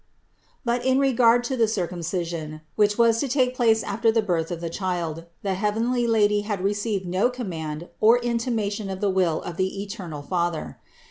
But in regard to the Circumcision, which was to take place after the birth of the Child, the heavenly Lady had received no command or intimation of the will of the eternal Father.